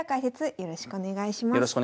よろしくお願いします。